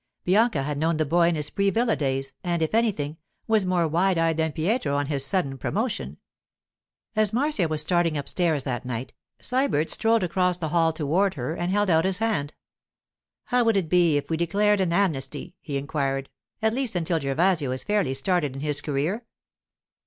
Bianca had known the boy in his pre villa days, and, if anything, was more wide eyed than Pietro on his sudden promotion. As Marcia was starting upstairs that night, Sybert strolled across the hall toward her and held out his hand. 'How would it be if we declared an amnesty,' he inquired—'at least until Gervasio is fairly started in his career?